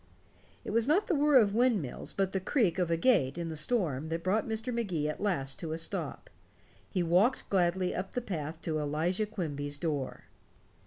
It was not the whir of windmills but the creak of a gate in the storm that brought Mr. Magee at last to a stop. He walked gladly up the path to Elijah Quimby's door.